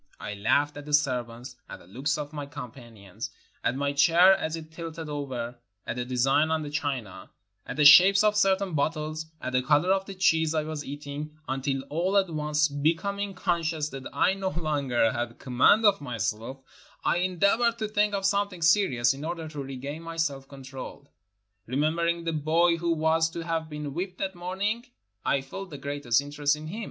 I laughed at the servants, at the looks of my companions, at my chair as it tilted over, at the designs on the china, at the shapes of certain bottles, at the color of the cheese I was eating, until all at once, becoming conscious that I no longer had com mand of myself, I endeavored to think of something serious in order to regain my self control. Remembering the boy who was to have been whipped that morning, I NORTHERN AFRICA felt the greatest interest in him.